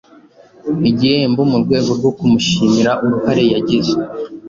igihembo mu rwego rwo kumushimira uruhare yagize